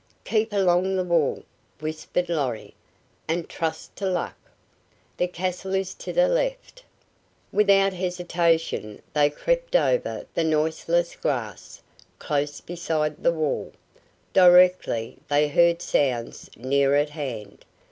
"Keep along the wall," whispered Lorry, "and trust to luck. The castle is to the left." Without hesitation they crept over the noiseless grass, close beside the wall. Directly they heard sounds near at hand.